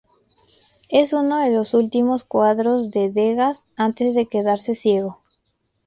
Es uno de los últimos cuadros de Degas antes de quedarse ciego.